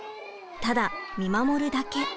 ただ見守るだけ。